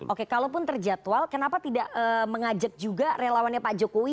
oke kalaupun terjadwal kenapa tidak mengajak juga relawannya pak jokowi